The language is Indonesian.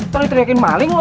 ternyata teriakin maling lo